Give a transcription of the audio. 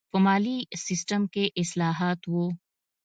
په مالي سیستم کې اصلاحات و.